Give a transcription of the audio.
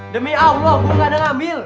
demi allah gue gak ada ngambil